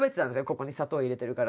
「ここに砂糖を入れてるからね」。